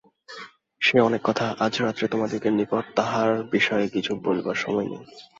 সে অনেক কথা, আজ রাত্রে তোমাদিগের নিকট তাঁহার বিষয়ে কিছু বলিবার সময় নাই।